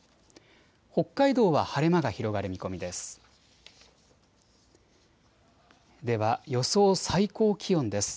北海道は晴れ間が広がる見込みです。